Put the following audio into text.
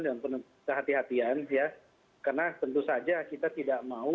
dengan penuh kehati hatian ya karena tentu saja kita tidak mau